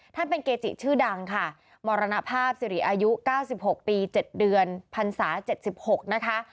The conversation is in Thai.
ท่านเป็นเกจิชื่อดังค่ะมรณภาพสิริอายุ๙๖ปี๗เดือนพันศา๗๖นะคะ